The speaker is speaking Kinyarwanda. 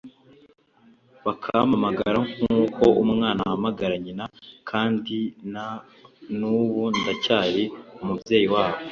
bakampamagara nkuko umwana ahamagara nyina kandi na nubu ndacyari umubyeyi wabo